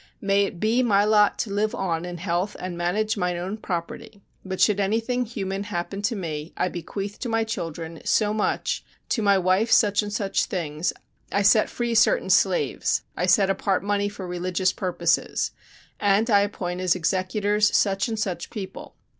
May it be my lot to live on in health and manage mine own property, but should anything human happen to me, I bequeath to my children so much, to my wife such and such things, I set free certain slaves; I set apart money for religious purposes. And I appoint as executors such and such people."